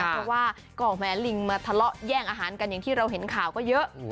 เพราะว่าก็แม้ลิงมาทะเลาะแย่งอาหารกันอย่างที่เราเห็นข่าวก็เยอะ